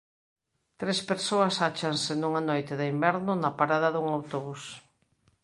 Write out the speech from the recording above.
Tres persoas áchanse nunha noite de inverno na parada dun autobús.